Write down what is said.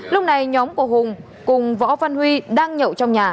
lúc này nhóm của hùng cùng võ văn huy đang nhậu trong nhà